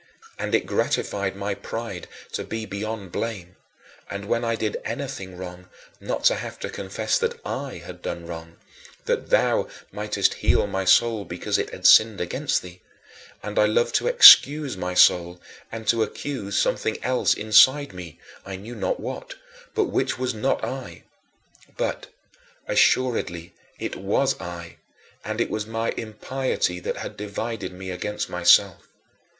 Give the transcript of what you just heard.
And it gratified my pride to be beyond blame, and when I did anything wrong not to have to confess that I had done wrong "that thou mightest heal my soul because it had sinned against thee" and I loved to excuse my soul and to accuse something else inside me (I knew not what) but which was not I. But, assuredly, it was I, and it was my impiety that had divided me against myself.